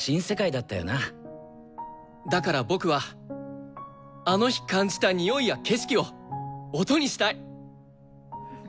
だから僕はあの日感じたにおいや景色を音にしたい。